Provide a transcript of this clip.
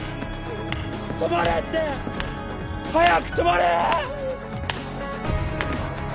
止まれって！早く止まれ！